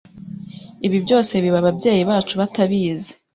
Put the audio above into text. Ibi byose biba ababyeyi bacu batabizi